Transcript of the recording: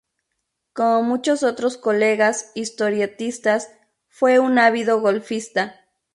Como muchos otros colegas historietistas, fue un ávido golfista.